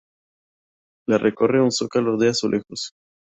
La recorre un zócalo de azulejos.